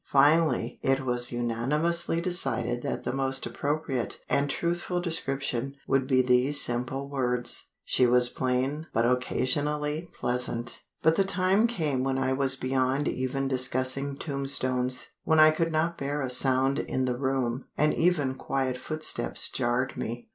Finally, it was unanimously decided that the most appropriate and truthful description would be these simple words— "SHE WAS PLAIN BUT OCCASIONALLY PLEASANT." But the time came when I was beyond even discussing tombstones; when I could not bear a sound in the room and even quiet footsteps jarred me.